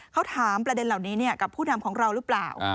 เขาถามประเด็นเหล่านี้กับผู้นำของเราหรือเปล่า